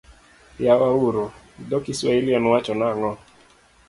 Yawa uru dho Kiswahili en wacho nang'o?